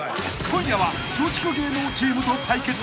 ［今夜は松竹芸能チームと対決］